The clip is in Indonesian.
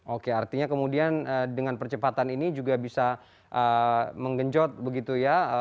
oke artinya kemudian dengan percepatan ini juga bisa menggenjot begitu ya